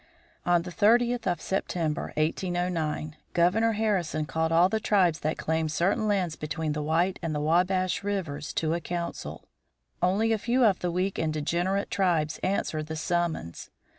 On the thirtieth of September, 1809, Governor Harrison called all the tribes that claimed certain lands between the White and Wabash rivers to a council. Only a few of the weak and degenerate tribes answered the summons.